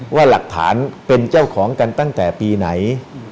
ว่าหลักฐานเป็นเจ้าของกันตั้งแต่ปีไหน